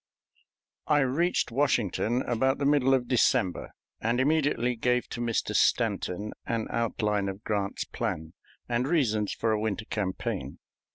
I reached Washington about the middle of December, and immediately gave to Mr. Stanton an outline of Grant's plan and reasons for a winter campaign.